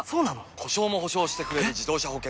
故障も補償してくれる自動車保険といえば？